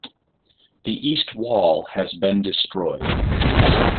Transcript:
The east wall has been destroyed.